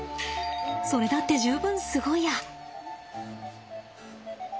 それだって十分すごいや。